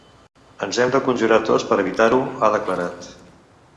Ens hem de conjurar tots per evitar-ho, ha declarat.